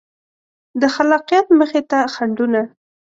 د خلاقیت مخې ته خنډونه